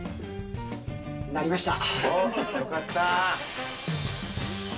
なりました。